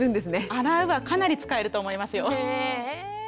洗うはかなり使えると思いますよ。